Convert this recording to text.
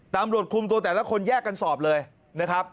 ตำรวจคุมตัวแต่ละคนแยกกันสอบเลยนะครับ